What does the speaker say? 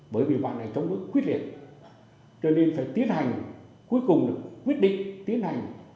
bởi vì bạn này chống đứt quyết liệt cho nên phải tiến hành cuối cùng được quyết định tiến hành